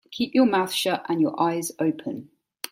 Keep your mouth shut and your eyes open.